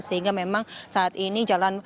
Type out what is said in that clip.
sehingga memang saat ini jalan